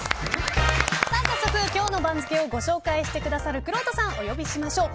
早速、今日の番付をご紹介してくださるくろうとさんをお呼びしましょう。